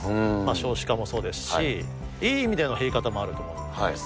少子化もそうですし、いい意味での減り方もあると思うんです。